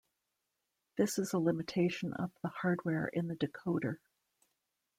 This is a limitation of the hardware in the decoder.